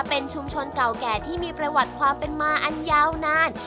เป็นชุมชนเก่าแก่ที่มีประวัติความเป็นมาอันยาวนาน